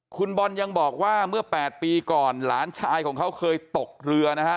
คุณบอลยังบอกว่าเมื่อ๘ปีก่อนหลานชายของเขาเคยตกเรือนะฮะ